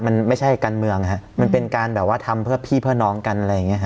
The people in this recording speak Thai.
มันไม่ใช่การเมืองมันเป็นการทำเพื่อพี่เพื่อน้องกัน